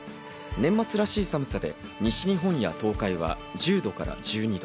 年末らしい寒さで西日本や東海は１０度から１２度。